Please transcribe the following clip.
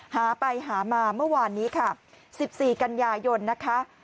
หาไปหามาเมื่อวานนี้ค่ะ๑๔กันยายนนะคะ